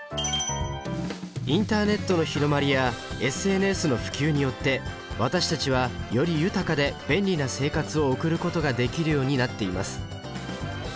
インターネットの広まりやＳＮＳの普及によって私たちはより豊かで便利な生活を送ることができるようになっています。